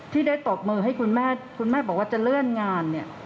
ที่ได้ตบมือให้คุณแม่คุณแม่บอกว่าจะเลื่อนงานเนี่ย